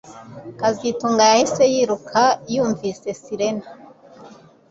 kazitunga yahise yiruka yumvise sirena